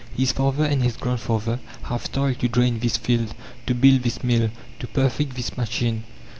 His father and his grandfather have toiled to drain this field, to build this mill, to perfect this machine.